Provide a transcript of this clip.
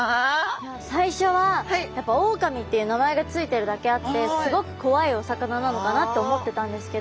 いや最初はやっぱオオカミっていう名前が付いてるだけあってすごく怖いお魚なのかなって思ってたんですけど